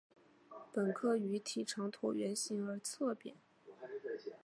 本科鱼体长椭圆形而侧扁。